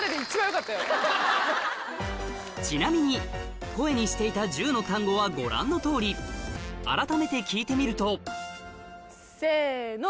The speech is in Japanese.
ちなみに声にしていた１０の単語はご覧のとおりあらためて聞いてみるとせの。